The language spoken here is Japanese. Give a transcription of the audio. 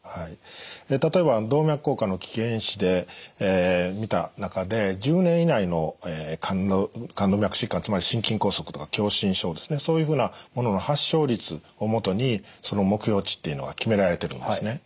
例えば動脈硬化の危険因子で見た中で１０年以内の冠動脈疾患つまり心筋梗塞とか狭心症ですねそういうふうなものの発症率を元に目標値っていうのが決められてるんですね。